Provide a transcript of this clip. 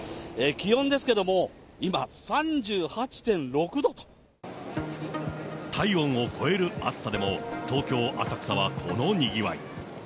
気温ですけども、体温を超える暑さでも、東京・浅草はこのにぎわい。